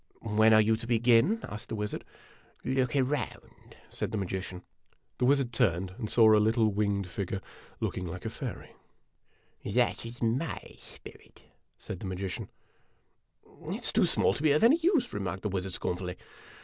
"When are you to beein ?" asked the wizard. J o " Look around," said the magician. The wizard turned, and saw a little winged figure, looking like a fairy. A DUEL IN A DESERT 43 THE WIZARD RAISES ARAB. " That is my spirit," said the magician. " It 's too small to be of any use," remarked the wiz ard, scornfully.